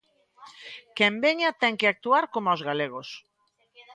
Quen veña ten que actuar como os galegos.